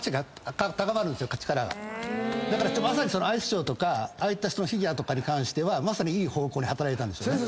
だからまさにアイスショーとかああいった人のフィギュアに関してはいい方向に働いたんでしょうね。